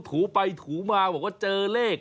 ถูไปถูมาบอกว่าเจอเลข